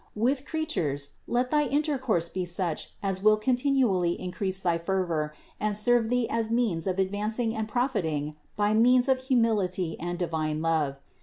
With crea tures let thy intercourse be such as will continually in crease thy fervor and serve thee as means of advancing and profiting by means of humility and divine love.